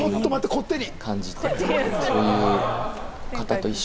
こってり。